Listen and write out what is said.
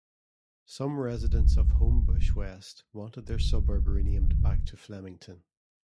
Some residents of Homebush West, want their suburb renamed back to Flemington.